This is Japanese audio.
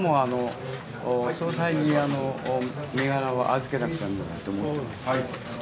総裁に身柄を預けなくちゃならないと思っています。